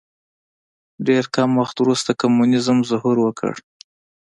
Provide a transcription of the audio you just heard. ډېر کم وخت وروسته کمونیزم ظهور وکړ.